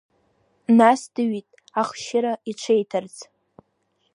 Нас дыҩит, ахшьыра иҽеиҭарц.